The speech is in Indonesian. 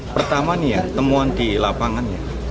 pertama nih ya temuan di lapangannya